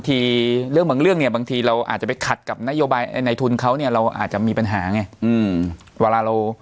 แต่บางเรื่องบางทีเราอาจจะไปขัดกับนโยบายในทุนเขาเราอาจจะมีปัญหาไง